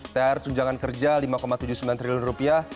thr tunjangan kerja lima tujuh puluh sembilan triliun rupiah